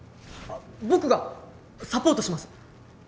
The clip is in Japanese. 僕がサポートします。